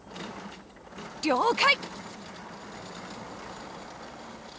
了解！